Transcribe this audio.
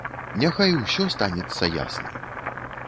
Няхай усё станецца ясным.